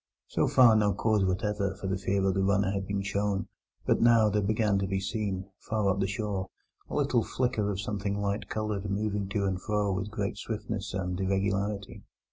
So far no cause whatever for the fear of the runner had been shown; but now there began to be seen, far up the shore, a little flicker of something light coloured moving to and fro with great swiftness and irregularity.